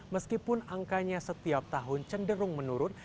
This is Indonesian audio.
meskipun angkanya setiap tahun cenderung menurun